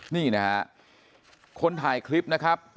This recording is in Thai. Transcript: นี่นะฮะคนถ่ายคลิปนะครับ